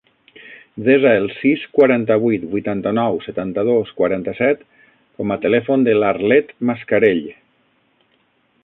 Desa el sis, quaranta-vuit, vuitanta-nou, setanta-dos, quaranta-set com a telèfon de l'Arlet Mascarell.